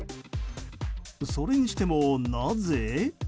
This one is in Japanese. それにしてもなぜ。